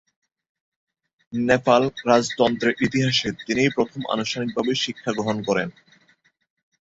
নেপাল রাজতন্ত্রের ইতিহাসে তিনিই প্রথম আনুষ্ঠানিকভাবে শিক্ষাগ্রহণ করেন।